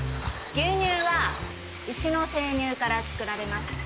牛乳は牛の生乳から作られます。